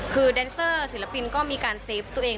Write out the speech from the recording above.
คือแดนเซอร์ศิลปินก็มีการเซฟตัวเอง